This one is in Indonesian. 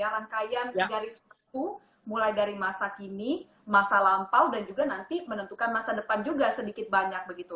rangkaian garis buku mulai dari masa kini masa lampau dan juga nanti menentukan masa depan juga sedikit banyak begitu